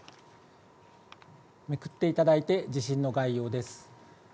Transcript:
めくっていただいて地震の概要です。